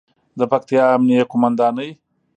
د پکتیا امنیې قوماندانۍ